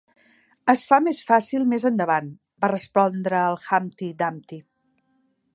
"Es fa més fàcil més endavant", va respondre el Humpty Dumpty.